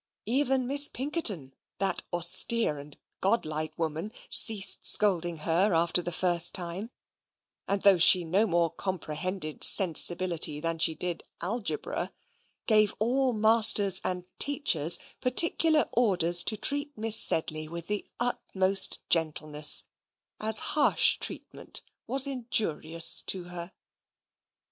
Even Miss Pinkerton, that austere and godlike woman, ceased scolding her after the first time, and though she no more comprehended sensibility than she did Algebra, gave all masters and teachers particular orders to treat Miss Sedley with the utmost gentleness, as harsh treatment was injurious to her.